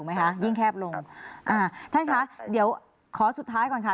อ่ะท่านคะเดี๋ยวขอสุดท้ายก่อนค่ะ